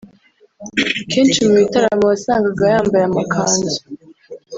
Kenshi mu bitaramo wasangaga yambaye amakanzu